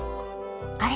あれ？